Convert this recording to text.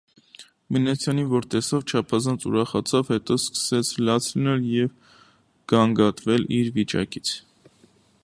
Մինասյանին որ տեսավ, չափազանց ուրախացավ, հետո սկսեց լաց լինել և գանգատվել իր վիճակից.